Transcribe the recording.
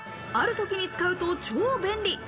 ある時に使うと超便利。